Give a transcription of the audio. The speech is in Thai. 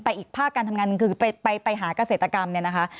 อีกภาคการทำงานคือไปหาเกษตรกรรมเนี่ยนะคะ